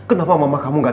emang itu kenyataan